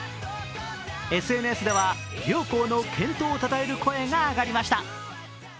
ＳＮＳでは両校の健闘をたたえる声が上がりました。